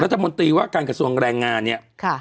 รัฐมนตรีว่าการกระทรวงแรงงานเนี่ย